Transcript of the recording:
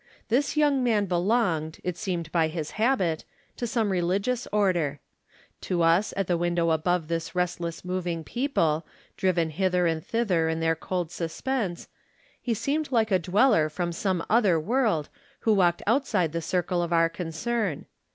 This young man belonged, it seemed by his habit, to some religious order. To us, at the window above this restless moving people, driven hither and thither in their cold suspense, he seemed like a dweller from some other world who walked outside the circle of our concern.